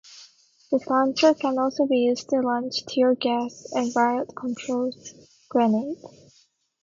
This launcher can also be used to launch tear-gas and riot control grenades.